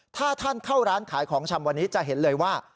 ถ้าท่านเข้าร้านขายของชำวันนี้จะเห็นเลยว่า